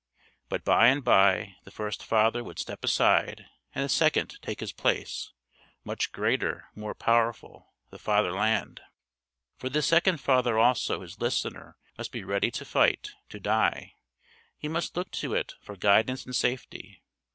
But by and by the first father would step aside and a second take his place, much greater, more powerful the fatherland. For this second father also his listener must be ready to fight, to die; he must look to it for guidance and safety.